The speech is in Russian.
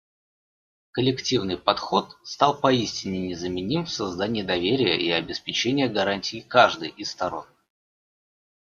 Коллективный подход стал поистине незаменим в создании доверия и обеспечении гарантий каждой из сторон.